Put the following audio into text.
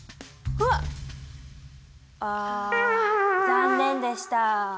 残念でした。